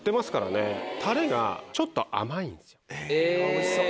おいしそう。